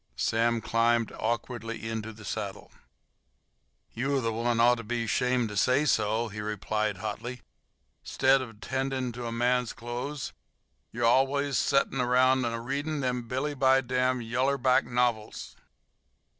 Sam climbed awkwardly into the saddle. "You're the one ought to be 'shamed to say so," he replied hotly. "'Stead of 'tendin' to a man's clothes you're al'ays setting around a readin' them billy by dam yaller back novils."